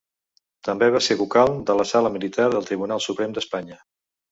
També va ser vocal de la Sala Militar del Tribunal Suprem d'Espanya.